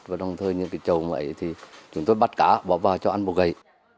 và đồng thời những cái chầu mậy thì chúng tôi bắt cá bỏ vào cho ăn bột gậy